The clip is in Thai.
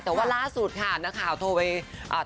แต่ว่าล่าสุดค่ะโทรไป